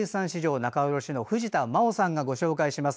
仲卸藤田真央さんがご紹介します。